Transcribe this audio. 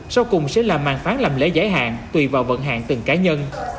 sau cùng sẽ là màn phán làm lễ giải hạn tùy vào vận hạn từng cá nhân